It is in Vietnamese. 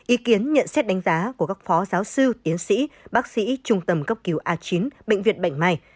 ý kiến nhận xét đánh giá của các phó giáo sư tiến sĩ bác sĩ trung tâm cấp cứu a chín bệnh viện bạch mai